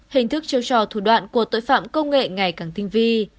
hình thức chiêu trò thủ đoạn của tội phạm công nghệ ngày càng tinh vi